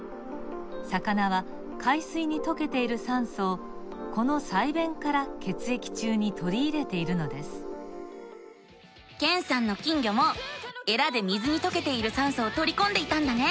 魚は海水にとけている酸素をこの鰓弁から血液中にとりいれているのですけんさんの金魚もえらで水にとけている酸素をとりこんでいたんだね。